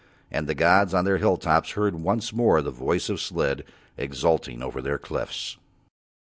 And the gods on Their hill tops heard once more the voice of Slid exulting over Their cliffs.